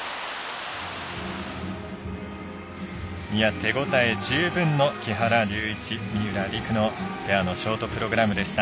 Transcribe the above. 手応え十分の木原龍一三浦璃来のペアのショートプログラムでした。